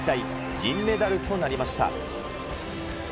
銀メダルとなりました。